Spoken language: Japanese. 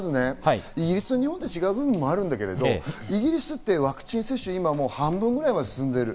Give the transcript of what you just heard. イギリスと日本、違う部分があるんだけど、イギリスってワクチン接種半分ぐらいは進んでる。